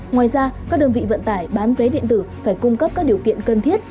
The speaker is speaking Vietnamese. ngoài ra các đơn vị vận tải bán vé điện tử phải cung cấp các điều kiện cần thiết